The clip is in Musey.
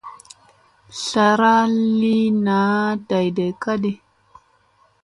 Zlara li naa day day ka ɗi.